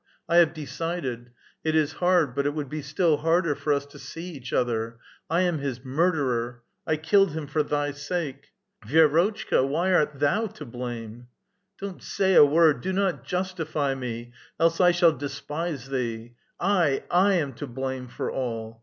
I have decided. It is hard, but it would be still harder for us to see each other. I am his murderer. I killed him for thy sake !"*' Vi^rotchka ! why art thou to blame?" " Don't say a word, do not justify me, else I shall despise thee ! I — I am to blame for all.